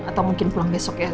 atau mungkin pulang besok ya